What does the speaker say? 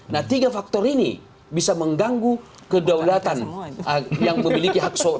nah tiga faktor ini bisa mengganggu kedaulatan yang memiliki hak suara